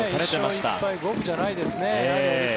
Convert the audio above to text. １勝１敗五分じゃないですね。